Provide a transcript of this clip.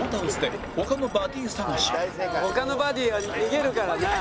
「大正解」「他のバディは逃げるからな」